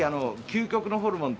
究極のホルモン？